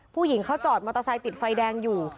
ผู้หญิงเขาจอดมอเตอร์ไซค์ติดไฟแดงอยู่